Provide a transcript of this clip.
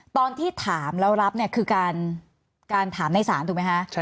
ตอนที่ถามแล้วรับเนี่ยคือการถามในศาลถูกไหมคะ